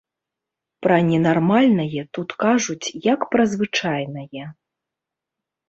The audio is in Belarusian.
Пра ненармальнае тут кажуць, як пра звычайнае.